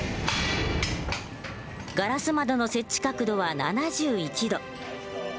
ガラス窓の設置角度は７１度。